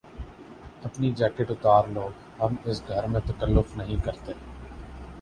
اپنی جیکٹ اتار لو۔ ہم اس گھر میں تکلف نہیں کرتے